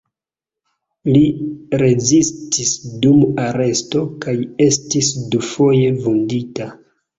Li rezistis dum aresto kaj estis dufoje vundita.